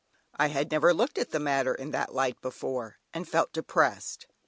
I had never looked at the matter in that light before, and felt depressed.